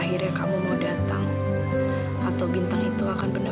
aku akan menatapmu sampai pintunya tetapka di hadil